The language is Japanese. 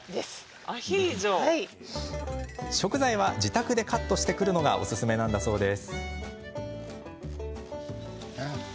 食材は自宅でカットしてくるのがおすすめなんだそうです。